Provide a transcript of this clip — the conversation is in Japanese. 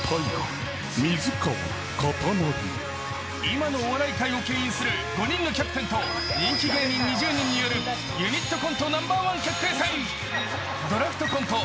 ［今のお笑い界をけん引する５人のキャプテンと人気芸人２０人によるユニットコント